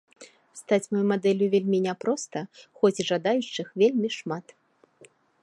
Стаць маёй мадэллю вельмі няпроста, хоць і жадаючых вельмі шмат.